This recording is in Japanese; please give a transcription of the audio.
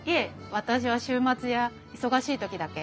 私は週末や忙しい時だけ。